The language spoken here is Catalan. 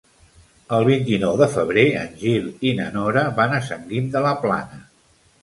El vint-i-nou de febrer en Gil i na Nora van a Sant Guim de la Plana.